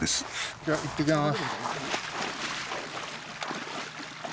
じゃあ行ってきます。